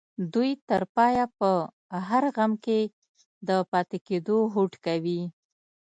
دوی تر پايه په هر غم کې د پاتې کېدو هوډ کوي.